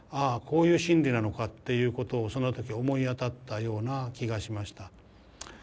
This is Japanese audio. あこういう心理なのかっていうことをその時思い当たったような気がしました。